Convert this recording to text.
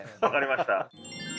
わかりました。